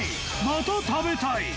また食べたい！